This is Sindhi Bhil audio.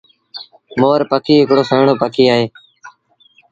مور پکي هڪڙو سُهيٚڻون پکي اهي۔